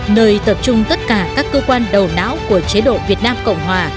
nơi tập trung tất cả các cơ quan đầu não của chế độ việt nam cộng hòa